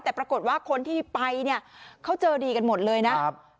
แต่ปรากฏว่าคนที่ไปเค้าเจอดีกันหมดเลยนะ